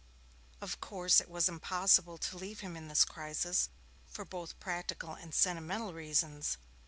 Of course it was impossible to leave him in this crisis, both for practical and sentimental reasons.